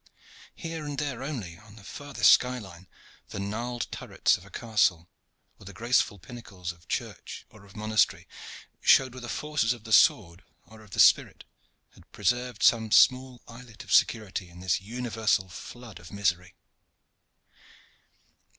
Here and there only, on the farthest sky line, the gnarled turrets of a castle, or the graceful pinnacles of church or of monastery showed where the forces of the sword or of the spirit had preserved some small islet of security in this universal flood of misery.